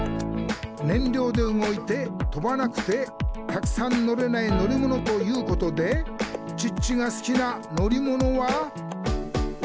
燃料で動いて飛ばなくてたくさん乗れない乗り物ということでチッチが好きな乗り物は。